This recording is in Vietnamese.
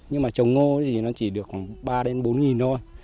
nhưng mà trồng ngô thì nó chỉ được khoảng ba bốn nghìn thôi